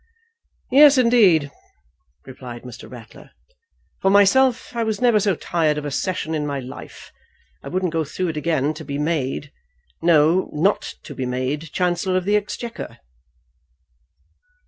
"Yes, indeed," replied Mr. Ratler. "For myself, I was never so tired of a session in my life. I wouldn't go through it again to be made, no, not to be made Chancellor of the Exchequer."